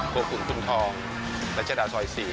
โปรขุมทองและชะดาซอยซี